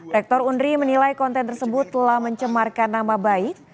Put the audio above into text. rektor unri menilai konten tersebut telah mencemarkan nama baik